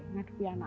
tidak ada piana